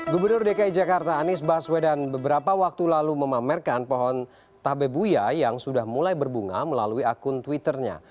gubernur dki jakarta anies baswedan beberapa waktu lalu memamerkan pohon tabebuya yang sudah mulai berbunga melalui akun twitternya